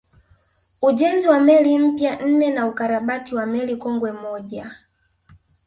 Ujenzi wa meli mpya nne na ukarabati wa meli kongwe moja